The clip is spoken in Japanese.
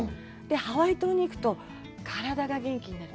ハワイ島に行くと、体が元気になる。